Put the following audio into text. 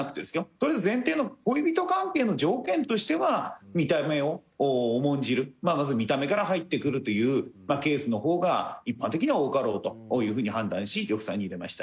とりあえず前提の恋人関係の条件としては見た目を重んじるまず見た目から入ってくるというケースの方が一般的には多かろうという風に判断し呂布さんに入れました。